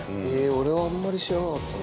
俺はあんまり知らなかったな。